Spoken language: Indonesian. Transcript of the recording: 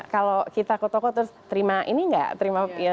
kalau kita ke toko terus terima ini nggak terima